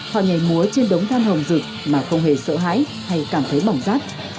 họ nhảy múa trên đống than hồng dực mà không hề sợ hãi hay cảm thấy bỏng rát